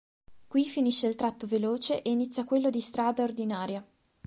Qui finisce il tratto veloce e inizia quello di strada ordinaria.